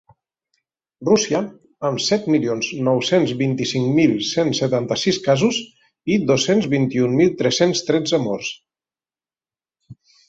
Rússia, amb set milions nou-cents vint-i-cinc mil cent setanta-sis casos i dos-cents vint-i-un mil tres-cents tretze morts.